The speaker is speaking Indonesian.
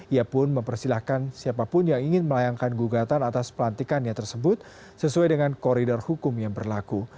ia pun mempersilahkan siapapun yang ingin melayangkan gugatan atas pelantikannya tersebut sesuai dengan koridor hukum yang berlaku